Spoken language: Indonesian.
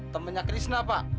temennya krishna pak